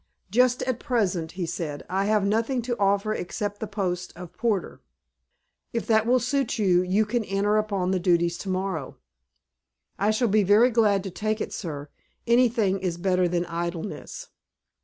"Just at present," he said, "I have nothing to offer except the post of porter. If that will suit you, you can enter upon the duties to morrow." "I shall be very glad to take it, sir. Anything is better than idleness."